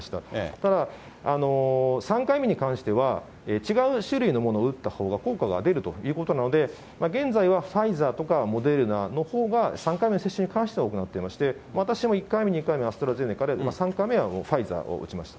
ただ、３回目に関しては違う種類のものを打ったほうが効果が出るということなので、現在はファイザーとかモデルナのほうが、３回目接種に関しては多くなっていまして、私も１回目、２回目はアストラゼネカで、３回目はファイザーを打ちました。